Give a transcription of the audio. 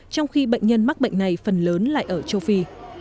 trong khi bệnh nhân mắc bệnh này phần lớn lại ở châu phi